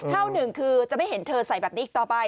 ข้าวหนึ่งคือจะไม่เห็นเธอใส่แบบนี้อีกต่อไป